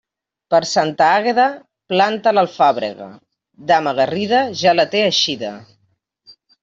Per Santa Àgueda, planta l'alfàbega; dama garrida, ja la té eixida.